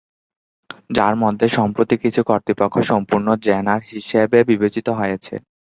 যার মধ্যে সম্প্রতি কিছু কর্তৃপক্ষ সম্পূর্ণ জেনার হিসাবে বিবেচিত হয়েছে।